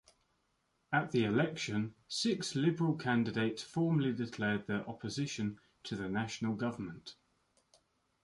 At the election, six Liberal candidates formally declared their opposition to the National Government.